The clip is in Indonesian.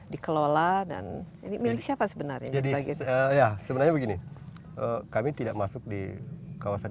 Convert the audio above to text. dikelola dan ini milik siapa sebenarnya jadi ya sebenarnya begini kami tidak masuk di kawasan